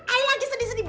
ayu lagi sedih sedih